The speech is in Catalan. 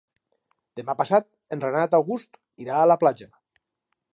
Demà passat en Renat August irà a la platja.